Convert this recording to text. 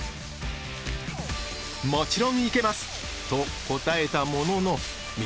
もちろん行けます！と答えたものの道